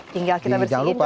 tinggal kita bersihin contohnya